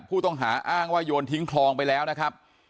ผู้ต้องหาอ้างว่าโยนทิ้งคลองไปแล้วนะครับ